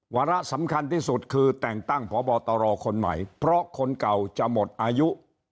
วาระสำคัญที่สุดคือแต่งตั้งพบตรคนใหม่เพราะคนเก่าจะหมดอายุ